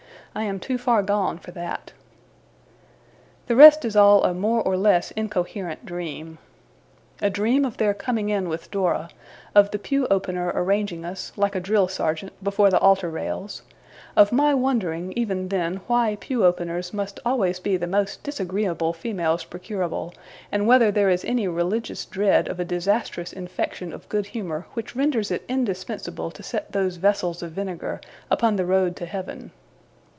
I am too far gone for that. The rest is all a more or less incoherent dream. A dream of their coming in with Dora; of the pew opener arranging us, like a drill sergeant, before the altar rails; of my wondering, even then, why pew openers must always be the most disagreeable females procurable, and whether there is any religious dread of a disastrous infection of good humour which renders it indispensable to set those vessels of vinegar upon the road to Heaven.